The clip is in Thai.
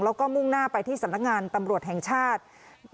แล้วก็มุ่งหน้าไปที่สำนักงานตำรวจแห่งชาติ